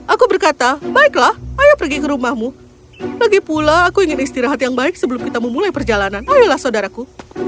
aku berkata baiklah ayo pergi ke rumahmu lagi pula aku ingin istirahat yang baik sebelum kita memulai perjalanan ayolah saudaraku